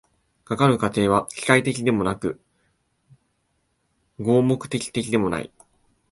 かかる過程は機械的でもなく合目的的でもない。